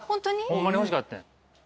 ホンマに欲しかってん。